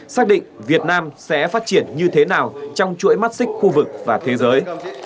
xác định việt nam sẽ phát triển như thế nào trong chuỗi mắt xích khu vực và thế giới